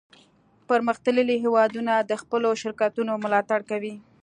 پرمختللي هیوادونه د خپلو شرکتونو ملاتړ کوي